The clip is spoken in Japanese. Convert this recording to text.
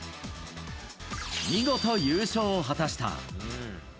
見事、優勝を果たした。